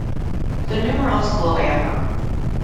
The numerals glow amber.